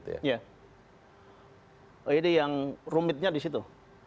jadi yang rumitnya disitu